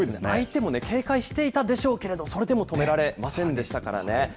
相手も警戒していたでしょうけれども、それでも止められませんでしたからね。